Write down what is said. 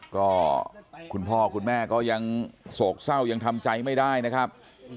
ก็คุณพ่อคุณแม่ก็ยังโศกเศร้ายังทำใจไม่ได้นะครับ